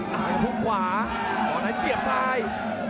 ต่างทุกขวาขวาในเสียบซ้าย